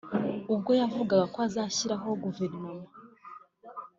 ubwo yavugaga ko azashyiraho Guverinoma